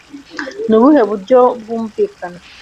Ni ubuhe buryo bwumvikana